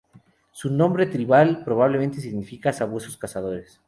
Su nombre tribal probablemente significa "sabuesos cazadores".